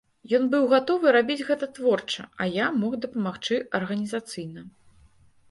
Ён быў гатовы рабіць гэта творча, а я мог дапамагчы арганізацыйна.